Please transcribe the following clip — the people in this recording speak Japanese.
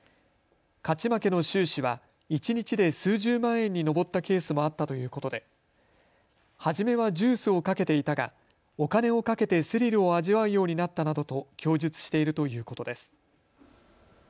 勝ち負けの収支は一日で数十万円に上ったケースもあったということで初めはジュースを賭けていたがお金を賭けてスリルを味わうようになったなどと供述しているということです。